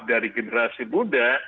dari generasi muda